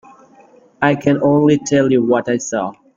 I can only tell you what I saw.